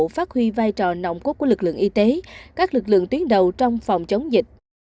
phát huy vai trò nồng cốt của lực lượng y tế các lực lượng tuyến đầu trong phòng chống dịch